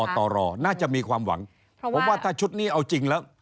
ตรน่าจะมีความหวังผมว่าถ้าชุดนี้เอาจริงแล้ว